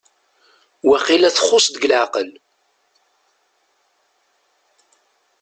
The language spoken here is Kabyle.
Waqila txuṣ deg leɛqel?